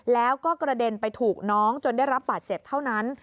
แล้วก็กระเด็นไปถูกน้องจนได้รับบาดเจ็บเท่านั้น